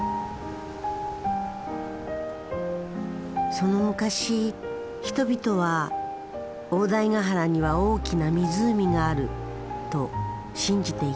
その昔人々は大台ヶ原には大きな湖があると信じていた。